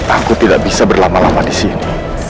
aku tidak bisa berlama lama disini